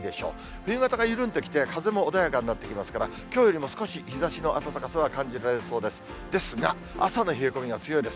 冬型が緩んできて、風も穏やかになってきますから、きょうよりも少し日ざしの暖かさは感じられそうです。